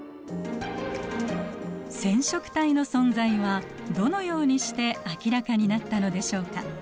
染色体の存在はどのようにして明らかになったのでしょうか。